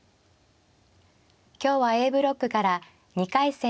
今日はＡブロックから２回戦